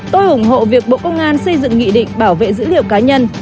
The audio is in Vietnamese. tôi ủng hộ việc bộ công an xây dựng nghị định bảo vệ dữ liệu cá nhân